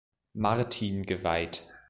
Martin geweiht.